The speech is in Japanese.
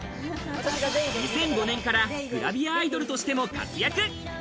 ２００５年からグラビアアイドルとしても活躍。